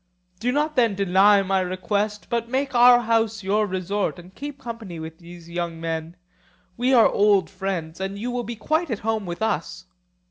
Do not then deny my request, but make our house your resort and keep company with these young men; we are old friends, and you will be quite at home with us.